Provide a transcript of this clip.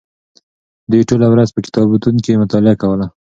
دوی ټوله ورځ په کتابتون کې مطالعه کوله.